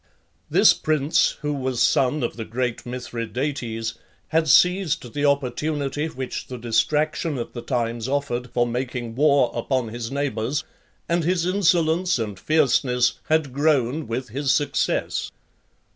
This prince, who was son of the great Mithridates, had seized the opportunity which the distraction of the times offered for making war upon his neighbours, and his insolence and fierceness had grown with his success.